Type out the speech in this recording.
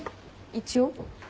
一応。